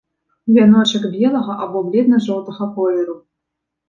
Вяночак белага або бледна-жоўтага колеру.